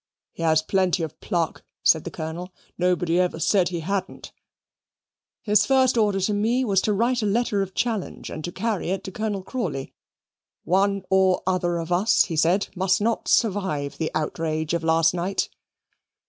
"He has plenty of pluck," said the Colonel. "Nobody ever said he hadn't." "His first order to me was to write a letter of challenge, and to carry it to Colonel Crawley. One or other of us," he said, "must not survive the outrage of last night."